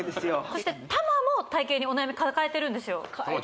そして玉も体形にお悩み抱えてるんですよ